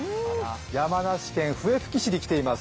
山梨県笛吹市に来ています。